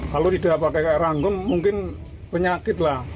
kalau tidak pakai ranggun mungkin penyakit lah